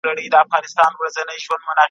هیوادونه د ساینسي لاسته راوړنو څخه ګټه اخلي.